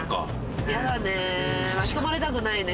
ヤダね巻き込まれたくないね